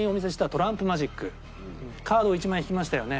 カードを１枚引きましたよね？